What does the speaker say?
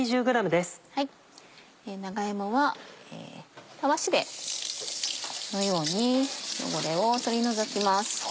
長芋はたわしでこのように汚れを取り除きます。